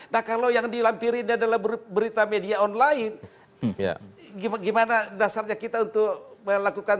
nah kalau yang dilampirin adalah berita media online gimana dasarnya kita untuk melakukan